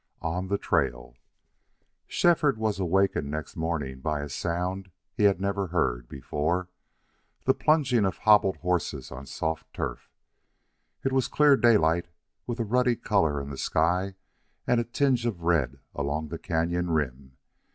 ON THE TRAIL Shefford was awakened next morning by a sound he had never heard before the plunging of hobbled horses on soft turf. It was clear daylight, with a ruddy color in the sky and a tinge of red along the cañon rim.